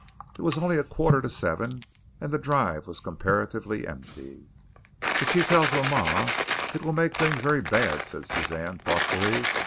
It was only a quarter to seven and the drive was comparatively empty. "If she tells mama, it will make things very bad," said Suzanne thoughtfully.